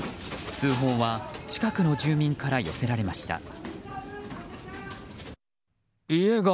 通報は近くの住民から寄せられました。